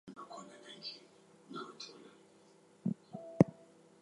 Did you lose the argument to a man or a woman?